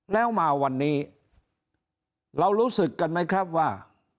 แล้วมาวันนี้เรารู้สึกกันไหมครับว่า